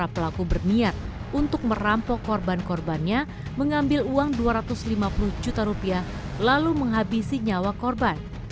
pelaku berniat untuk merampok korban korbannya mengambil uang dua ratus lima puluh juta rupiah lalu menghabisi nyawa korban